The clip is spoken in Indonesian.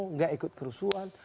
nggak ikut kerusuhan